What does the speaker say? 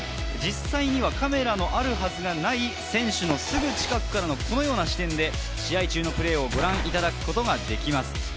実際にはカメラのあるはずのない、選手のすぐ近くからの視点で、試合中のプレーをご覧いただくことができます。